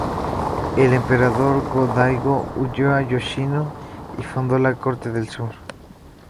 El Emperador Go-Daigo huyó a Yoshino y fundó la Corte del Sur.